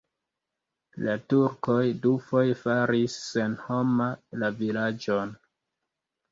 La turkoj dufoje faris senhoma la vilaĝon.